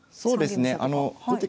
そうですね。